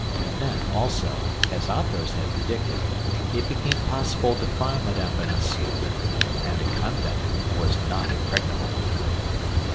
Then also, as Athos had predicted, it became possible to find Mme. Bonacieux, and a convent was not impregnable.